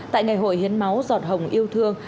tại ngày hội hiến máu giọt hồng yêu thương